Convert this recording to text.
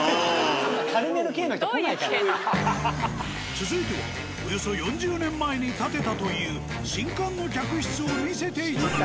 続いてはおよそ４０年前に建てたという新館の客室を見せていただく。